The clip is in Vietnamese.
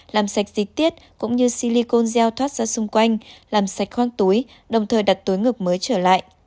làm sạch dịch tiết cũng như silicone gel thoát ra xung quanh làm sạch khoang túi đồng thời đặt túi ngực mới trở lại